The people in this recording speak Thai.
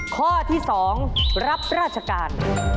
ข้อที่๒รับราชการ